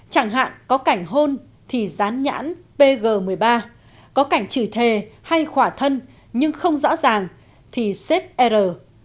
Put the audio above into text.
chẳng hạn có cảnh hôn thì dán nhãn pg một mươi ba có cảnh chửi thề hay khỏa thân nhưng không rõ ràng thì xếp er